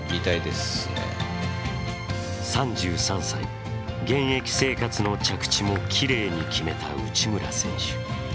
３３歳、現役生活の着地もきれいに決めた内村選手。